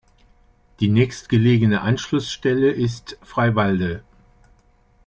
Die nächstgelegene Anschlussstelle ist "Freiwalde".